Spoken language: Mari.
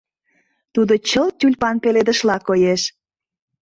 Тудо чылт тюльпан пеледышла коеш.